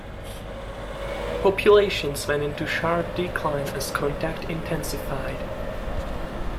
Populations went into sharp decline as contact intensified.